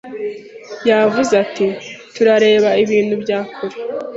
Yavuze ati Turareba ibintu bya kure